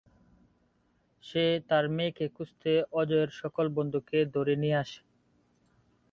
সে তার মেয়েকে খুঁজতে "অজয়"র সকল বন্ধুকে ধরে নিয়ে আসে।